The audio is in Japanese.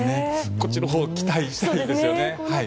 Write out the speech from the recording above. こっちのほうに期待したいです。